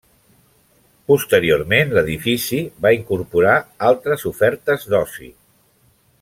Posteriorment l'edifici va incorporar altres ofertes d'oci.